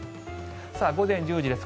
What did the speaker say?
午前１０時です。